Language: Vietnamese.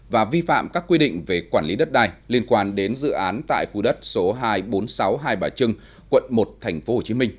và vi phạm các quy định về quản lý đất đai liên quan đến dự án tại khu đất số hai trăm bốn mươi sáu hai bà trưng quận một tp hcm